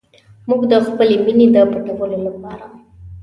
موږ د خپلې مینې د پټولو لپاره.